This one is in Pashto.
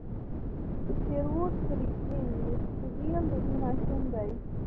چې شیروډ فرینکلین میکسویل د دوی ماشوم دی